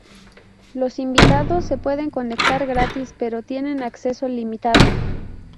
Los invitados se pueden conectar gratis, pero tienen acceso limitado.